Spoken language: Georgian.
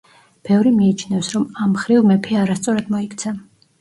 ბევრი მიიჩნევს, რომ ამ მხრივ მეფე არასწორად მოიქცა.